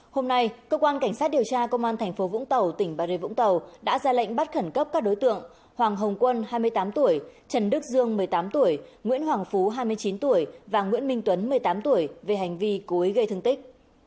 hôm nay cơ quan cảnh sát điều tra công an thành phố vũng tàu tỉnh bà rịa vũng tàu đã ra lệnh bắt khẩn cấp các đối tượng hoàng hồng quân hai mươi tám tuổi trần đức dương một mươi tám tuổi nguyễn hoàng phú hai mươi chín tuổi và nguyễn minh tuấn một mươi tám tuổi về hành vi cố ý gây thương tích